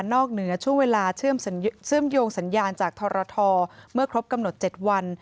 เหนือช่วงเวลาเชื่อมโยงสัญญาณจากทรทเมื่อครบกำหนด๗วัน